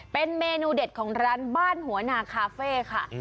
เป็นเมนูเด็ดของร้านบ้านหัวนาคาเฟ่ค่ะ